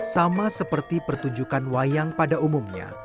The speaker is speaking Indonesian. sama seperti pertunjukan wayang pada umumnya